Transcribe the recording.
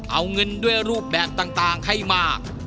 เอาเงินด้วยรูปแบบต่างให้มาก